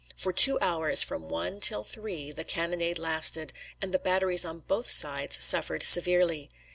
For two hours, from one till three, the cannonade lasted, and the batteries on both sides suffered severely.